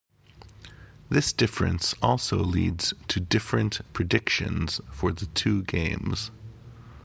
This difference also leads to different predictions for the two games.